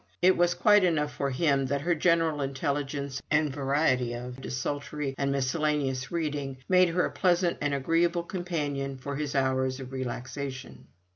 It was quite enough for him that her general intelligence and variety of desultory and miscellaneous reading made her a pleasant and agreeable companion for his hours of relaxation.